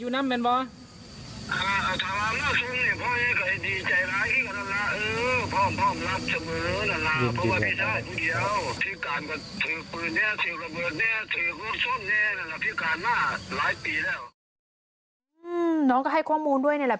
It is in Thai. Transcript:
น้องก็ให้ข้อมูลด้วยนี่แหละ